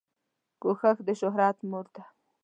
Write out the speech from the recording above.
کوښښ دشهرت مور ده